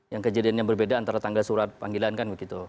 yang kejadiannya berbeda antara tangga surat panggilan kan begitu